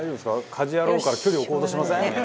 『家事ヤロウ！！！』から距離置こうとしてません？」